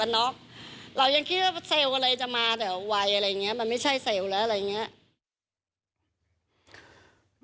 เรายังคิดว่าเซลล์อะไรจะมาแต่วัยอะไรอย่างนี้มันไม่ใช่เซลล์แล้วอะไรอย่างนี้